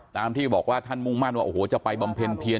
ที่บอกว่าท่านมุ่งมั่นว่าโอ้โหจะไปบำเพ็ญเพียร